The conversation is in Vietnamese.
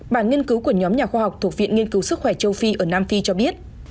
bản nghiên cứu của nhóm nhà khoa học thuộc viện nghiên cứu sức khỏe châu phi ở nam phi cho biết